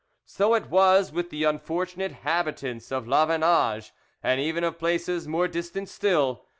So it was with the unfortunate inhabitants of La Vannage, and even of places more distant still.